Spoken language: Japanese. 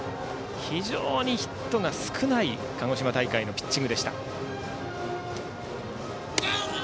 非常にヒットが少ない鹿児島大会のピッチングでした。